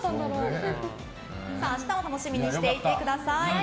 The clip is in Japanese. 明日も楽しみにしていてください。